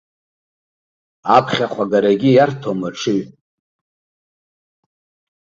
Аԥхьахә агарагьы иарҭом аҽыҩ.